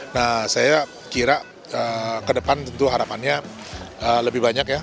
nah saya kira ke depan tentu harapannya lebih banyak ya